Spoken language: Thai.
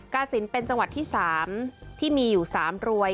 ก้าศินเป็นจังหวัดที่สามที่มีอยู่สามรวย